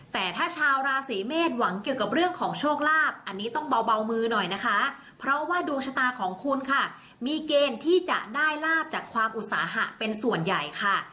แต่ถ้าชาวราศีเมษหวังเกี่ยวกับเรื่องของโชคลาภอันนี้ต้องเบามือหน่อยนะคะเพราะว่าดวงชะตาของคุณค่ะมีเกณฑ์ที่จะได้ลาบจากความอุตสาหะเป็นส่วนใหญ่ค่ะ